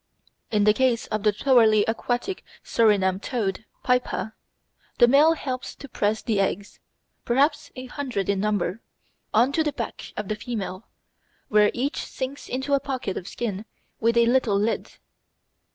In the case of the thoroughly aquatic Surinam Toad (Pipa), the male helps to press the eggs, perhaps a hundred in number, on to the back of the female, where each sinks into a pocket of skin with a little lid.